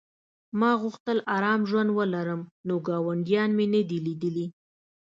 ما غوښتل ارام ژوند ولرم نو ګاونډیان مې نه دي لیدلي